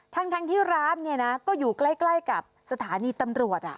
ทั้งทั้งที่ร้านเนี้ยนะก็อยู่ใกล้ใกล้กับสถานีตำรวจอ่ะ